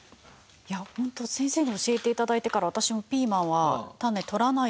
いやホント先生に教えて頂いてから私もピーマンは種取らないようにしてます。